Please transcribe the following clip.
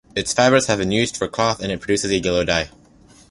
Its fibers have been used for cloth and it produces a yellow dye.